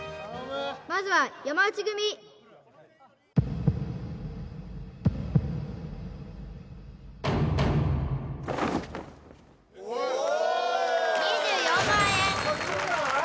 まずは山内組２４万円！